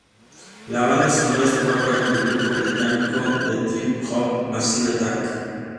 La banda sonora estuvo a cargo del grupo británico de trip-hop, Massive Attack.